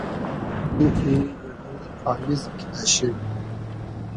گومانوم کی اگۉ تاییز کیدۂ شی